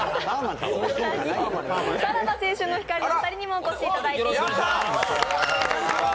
さらば青春の光のお二人にもお越しいただいています。